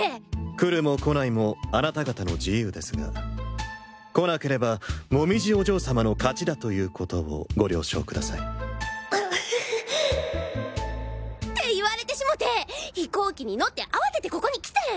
来るも来ないもあなた方の自由ですが来なければ紅葉お嬢様の勝ちだというコトを御了承ください。って言われてしもて飛行機に乗って慌ててここに来てん！